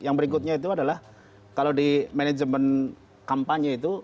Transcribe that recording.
yang berikutnya itu adalah kalau di manajemen kampanye itu